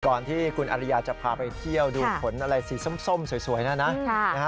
ก่อนที่คุณอริยาจะพาไปเที่ยวดูผลอะไรสีส้มสวยนะนะ